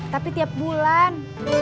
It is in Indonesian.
tapi tiap bulan